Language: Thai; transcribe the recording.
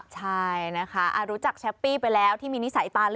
ใช่นะคะรู้จักแชปปี้ไปแล้วที่มีนิสัยตา